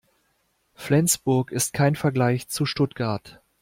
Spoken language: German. Flensburg ist kein Vergleich zu Stuttgart